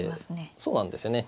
そうなんですよね。